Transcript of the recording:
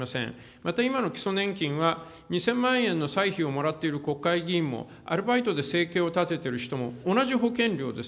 また今の基礎年金は、２０００万円の歳費をもらっている国会議員も、アルバイトで生計を立てている人も同じ保険料です。